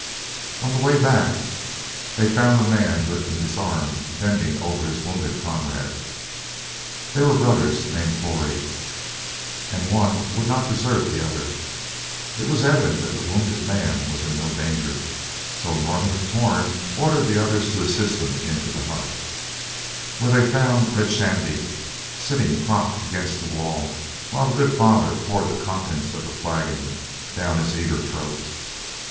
On the way back, they found the man who had been disarmed bending over his wounded comrade. They were brothers, named Flory, and one would not desert the other. It was evident that the wounded man was in no danger, so Norman of Torn ordered the others to assist him into the hut, where they found Red Shandy sitting propped against the wall while the good father poured the contents of a flagon down his eager throat.